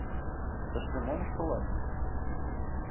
— Тыште мом ыштылат?